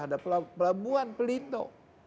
ada pelabuhan pelito